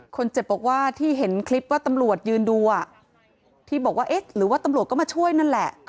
คนเจ็บบอกว่าที่เห็นคลิปว่าตำรวจยืนดูที่บอกว่าเอ๊ะหรือว่าตำรวจก็มาช่วยนั่นแหละ